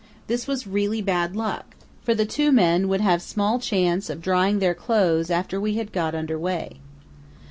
This was really bad luck, for the two men would have small chance of drying their clothes after we had got under way.